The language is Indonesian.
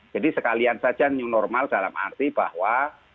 jadi sekalian saja new normal dalam arti bahwa